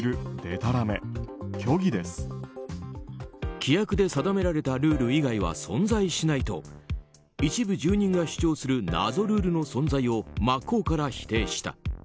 規約で定められたルール以外は存在しないと一部住人が主張する謎ルールの存在を真っ向から否定した。